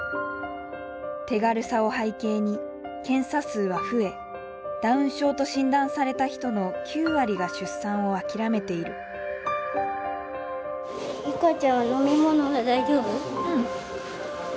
手軽さを背景に検査数は増えダウン症と診断された人の９割が出産を諦めているうん。